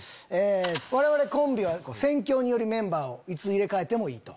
我々コンビは戦況によりメンバーいつ入れ替えてもいい。